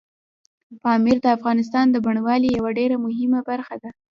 پامیر د افغانستان د بڼوالۍ یوه ډېره مهمه برخه ده.